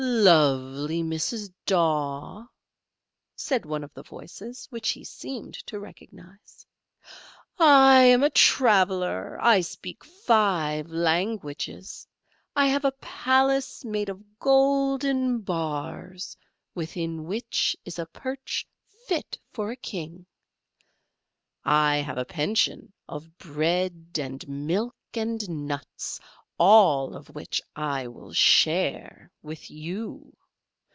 "Lovely Mrs. Daw," said one of the voices which he seemed to recognise, "I am a traveller I speak five languages I have a palace made of golden bars, within which is a perch fit for a king, I have a pension of bread and milk and nuts; all of which I will share with you.